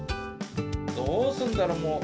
どうすんだろ、もう。